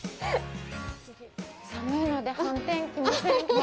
寒いので、はんてん着ませんか。